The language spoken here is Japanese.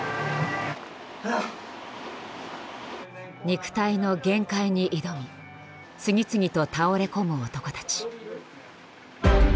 肉体の限界に挑み次々と倒れ込む男たち。